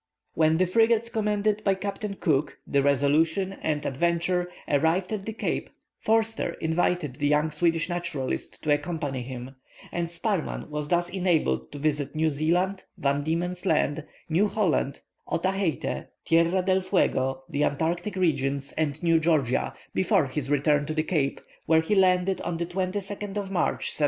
When the frigates commanded by Captain Cook, the Resolution and Adventure, arrived at the Cape, Forster invited the young Swedish naturalist to accompany him; and Sparrman was thus enabled to visit New Zealand, Van Diemen's Land, New Holland, Otaheite, Tierra del Fuego, the Antarctic Regions, and New Georgia, before his return to the Cape, where he landed on the 22nd of March, 1775.